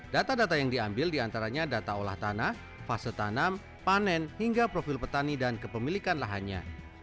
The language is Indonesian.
data data yang diambil diantaranya data olah tanah fase tanam panen hingga profil petani dan kepemilikan lahannya